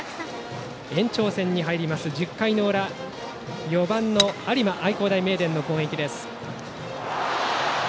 延長戦に入りまして１０回の裏、４番の有馬愛工大名電の攻撃です。